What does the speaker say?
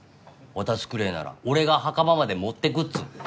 渡すくれぇなら俺が墓場まで持ってくっつうんだよ。